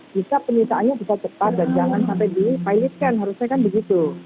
jika penyitaannya bisa tepat dan jangan sampai dipilotkan harusnya kan begitu